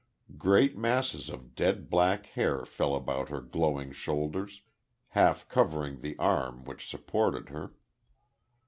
Great masses of dead black hair fell about her glowing shoulders, half covering the arm which supported her.